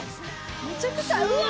めちゃくちゃうわ！